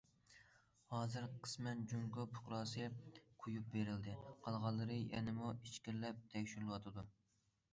ھازىر، قىسمەن جۇڭگو پۇقراسى قويۇپ بېرىلدى، قالغانلىرى يەنىمۇ ئىچكىرىلەپ تەكشۈرۈلۈۋاتىدۇ.